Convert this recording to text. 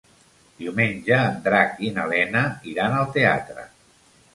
Diumenge en Drac i na Lena iran al teatre.